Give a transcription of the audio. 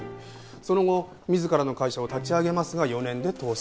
その後自らの会社を立ち上げますが４年で倒産。